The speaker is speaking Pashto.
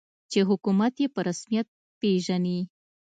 چې حکومت یې په رسمیت پېژني.